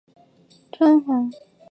张黄二人之部队趁机控制了广州。